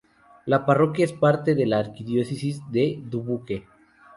La parroquia es parte de la Arquidiócesis de Dubuque.